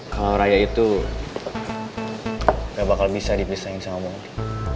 kalau raya itu gak bakal bisa dipisahin sama mungkin